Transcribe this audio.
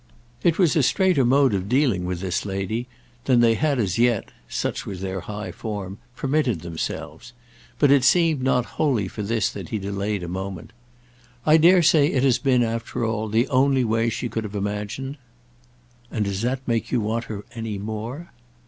It was a straighter mode of dealing with this lady than they had as yet—such was their high form—permitted themselves; but it seemed not wholly for this that he delayed a moment. "I dare say it has been, after all, the only way she could have imagined." "And does that make you want her any more?"